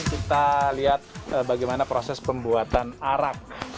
kita lihat bagaimana proses pembuatan arak